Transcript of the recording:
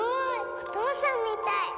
お父さんみたい！